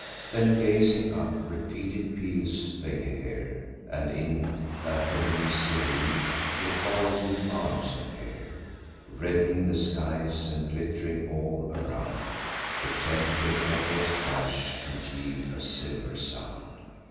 Then, gazing up, repeated peals they hear; And, in a heav'n serene, refulgent arms appear: Redd'ning the skies, and glitt'ring all around, The temper'd metals clash, and yield a silver sound.